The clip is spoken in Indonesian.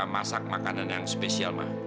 masak makanan yang spesial mah